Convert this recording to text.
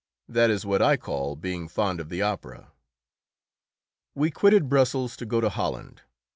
That is what I call being fond of the opera! We quitted Brussels to go to Holland.